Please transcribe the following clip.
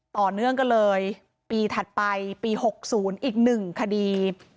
ต่อเนื่องกันเลยปีถัดไปปี๖๐อีก๑คดี